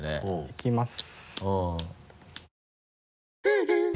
いきます。